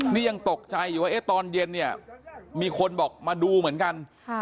นี่ยังตกใจอยู่ว่าตอนเย็นเนี่ยมีคนบอกมาดูเหมือนกัน